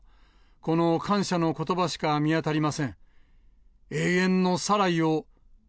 この感謝のことばしか見当たりません。